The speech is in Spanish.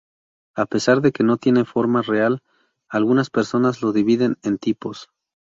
A pesar de que no tienen forma real, algunas personas los dividen en tipos.